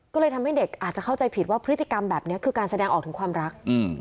ก็เลยทำให้เด็กอาจจะเข้าใจผิดว่าพฤติกรรมแบบนี้คือการแสดงออกถึงความรัก